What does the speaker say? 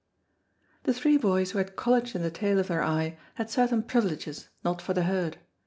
The three boys who had college in the tail of their eye had certain privileges not for the herd.